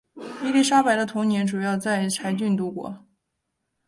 伊丽莎白的童年主要在柴郡度过。